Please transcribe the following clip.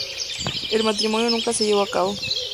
El matrimonio nunca se llevó a cabo.